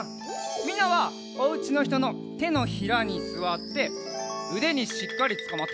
みんなはおうちのひとのてのひらにすわってうでにしっかりつかまって。